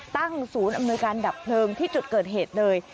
ตั้งศูนย์อำนวยการดับเพลิงที่จุดเกิดเหตุเลย